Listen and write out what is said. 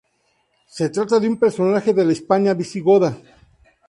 Se trata de un personaje de la Hispania visigoda.